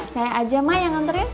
saya aja ma yang nganterin